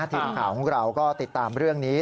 ทีมข่าวของเราก็ติดตามเรื่องนี้